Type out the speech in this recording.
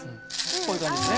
こういう感じですね。